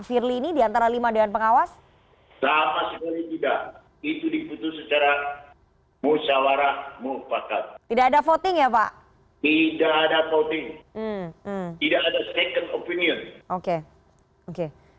tidak ada voting tidak ada second opinion